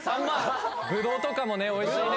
ブドウとかもねおいしいね